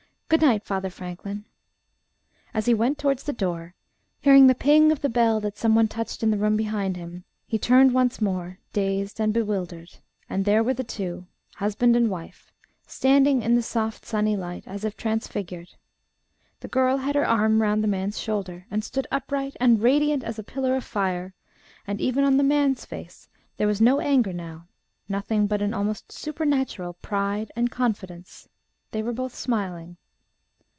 Good night, Father Franklin." As he went towards the door, hearing the ping of the bell that some one touched in the room behind him, he turned once more, dazed and bewildered; and there were the two, husband and wife, standing in the soft, sunny light, as if transfigured. The girl had her arm round the man's shoulder, and stood upright and radiant as a pillar of fire; and even on the man's face there was no anger now nothing but an almost supernatural pride and confidence. They were both smiling.